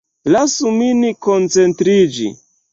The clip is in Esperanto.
Lasu min koncentriĝi.